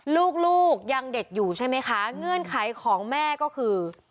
ลูกยังเด็กอยู่ใช่ไหมคะเงื่อนไขของแม่ก็คือ